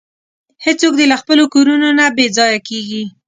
هیڅوک دې له خپلو کورونو نه بې ځایه کیږي.